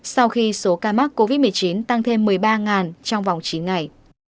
sau khi số ca mắc covid một mươi chín tăng thêm một mươi ba trong vòng chín ngày